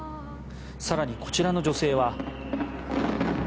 更にこちらの女性は。